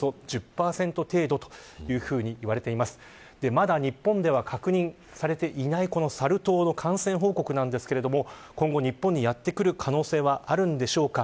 まだ日本では確認されていないサル痘の感染報告ですが今後、日本にやってくる可能性はあるんでしょうか。